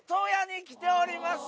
に来ております。